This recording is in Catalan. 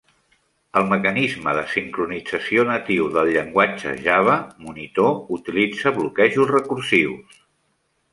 El mecanisme de sincronització natiu del llenguatge Java, monitor, utilitza bloquejos recursius.